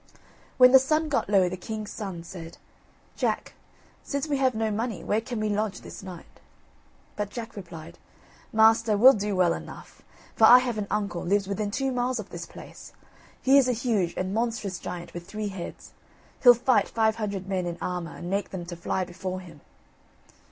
When the sun got low, the king's son said: "Jack, since we have no money, where can we lodge this night?" But Jack replied: "Master, we'll do well enough, for I have an uncle lives within two miles of this place; he is a huge and monstrous giant with three heads; he'll fight five hundred men in armour, and make them to fly before him."